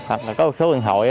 hoặc là có một số điện thoại